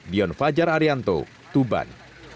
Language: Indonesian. dion fajar arianto tuban